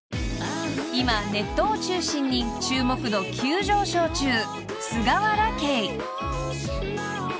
［今ネットを中心に注目度急上昇中］